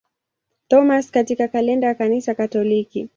Thomas katika kalenda ya Kanisa Katoliki.